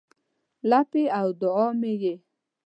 لپې او دوعا مې یې